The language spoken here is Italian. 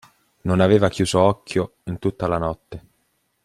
Non aveva chiuso occhio in tutta la notte.